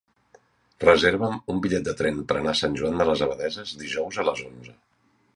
Reserva'm un bitllet de tren per anar a Sant Joan de les Abadesses dijous a les onze.